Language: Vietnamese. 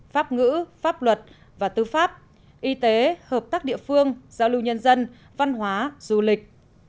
pháp ngữ pháp luật và tư pháp y tế hợp tác địa phương giao lưu nhân dân văn hóa du lịch